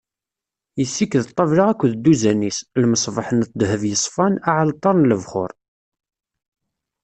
Yessiked ṭṭabla akked dduzan-is, lmeṣbaḥ n ddheb yeṣfan, aɛalṭar n lebxuṛ.